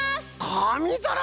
かみざらな！